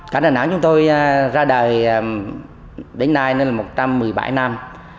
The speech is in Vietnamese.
cả đà nẵng chúng tôi ra đời đến nay là một trăm một mươi bảy năm